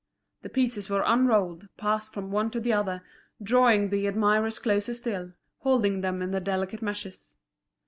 The pieces were unrolled, passed from one to the other, drawing the admirers closer still, holding them in the delicate meshes.